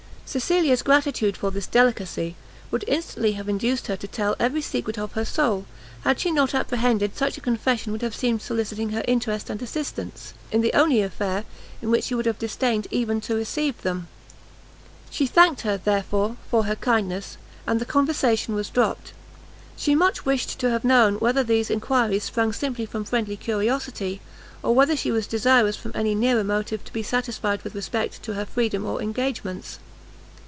Cecilia's gratitude for this delicacy, would instantly have induced her to tell every secret of her soul, had she not apprehended such a confession would have seemed soliciting her interest and assistance, in the only affair in which she would have disdained even to receive them. She thanked her, therefore, for her kindness, and the conversation was dropt; she much wished to have known whether these enquiries sprung simply from friendly curiosity, or whether she was desirous from any nearer motive to be satisfied with respect to her freedom or engagements.